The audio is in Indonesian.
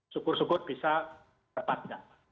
sukur sukur bisa terbatas